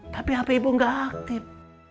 tapi apa ibu gak aktif